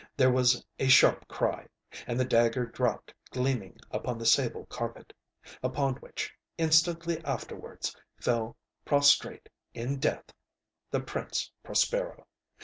There was a sharp cryŌĆöand the dagger dropped gleaming upon the sable carpet, upon which, instantly afterwards, fell prostrate in death the Prince Prospero.